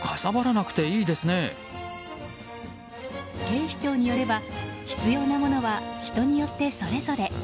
警視庁によれば、必要なものは人によってそれぞれ。